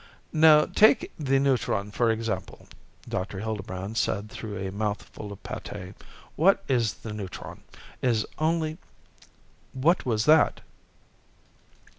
"Now take the neutron, for example," Dr. Hildebrand said through a mouthful of pâté. "What is the neutron? It is only ... What was that?"